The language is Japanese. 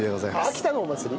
秋田のお祭り？